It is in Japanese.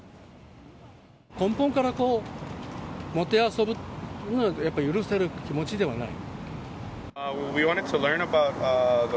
根本からもてあそぶっていうのは、やっぱり許せる気持ちではない。